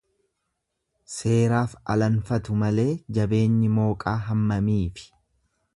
Seeraaf alanfatu malee jabeenyi mooqaa hammamiifi.